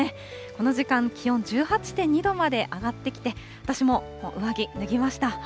この時間、気温１８．２度まで上がってきて、私ももう上着脱ぎました。